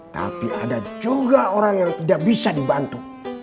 tapi ada juga orang yang tidak bisa dibantu